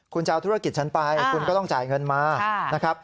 คุณจะเอาธุรกิจฉันไปคุณก็ต้องจ่ายเงินมานะครับ